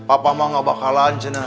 abah mau kebakalan